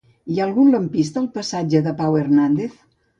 Hi ha algun lampista al passatge de Pau Hernández?